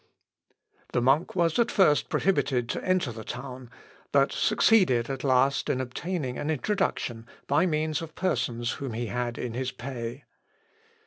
The monk was at first prohibited to enter the town, but succeeded at last in obtaining an introduction by means of persons whom he had in his pay.